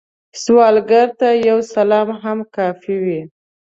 سوالګر ته یو سلام هم کافی وي